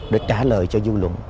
để trả lời cho dư luận